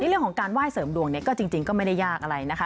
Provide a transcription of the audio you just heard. เรื่องของการไหว้เสริมดวงเนี่ยก็จริงก็ไม่ได้ยากอะไรนะคะ